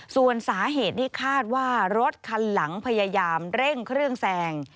ส่วนสาเหตุที่คาดว่ารถคันหลังพยายามเร่งเครื่องแซง